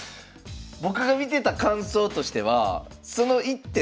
僕が見てた感想としてはその一手